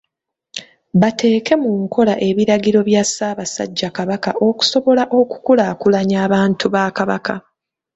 Bateeke mu nkola ebiragiro bya Ssaabasajja Kabaka, okusobola okukulaakulanya abantu ba Kabaka.